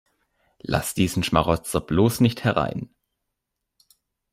Lass diesen Schmarotzer bloß nicht herein!